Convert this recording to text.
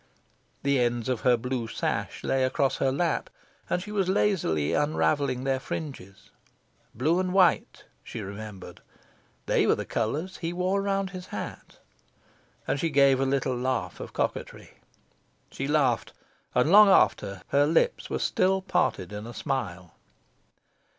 The ends of her blue sash lay across her lap, and she was lazily unravelling their fringes. "Blue and white!" she remembered. "They were the colours he wore round his hat." And she gave a little laugh of coquetry. She laughed, and, long after, her lips were still parted in a smile.